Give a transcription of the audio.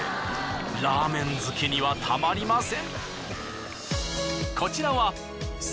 ラーメン好きにはたまりません。